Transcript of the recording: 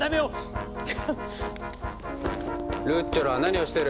「ルッチョラ何をしてる。